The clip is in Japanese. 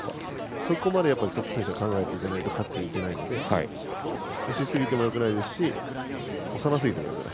そこまでトップ選手は考えていかないと勝っていけないので押しすぎてもよくないですし押さなすぎてもよくない。